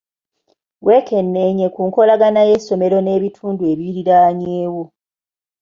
Wekennenya ku nkolagana y'essomero n'ebitundu ebiriraanyeewo.